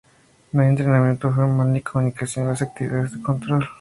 No hay un entrenamiento formal ni comunicación de las actividades de control.